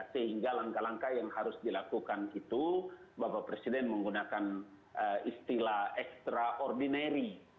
sehingga langkah langkah yang harus dilakukan itu bapak presiden menggunakan istilah extraordinary